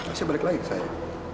saya balik lagi ke saya